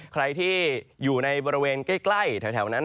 ใครที่อยู่ในบริเวณใกล้แถวนั้น